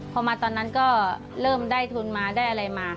พอมาตอนนั้นก็เริ่มได้ทุนมาได้อะไรมา